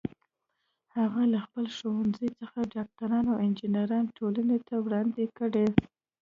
هغه له خپل ښوونځي څخه ډاکټران او انجینران ټولنې ته وړاندې کړي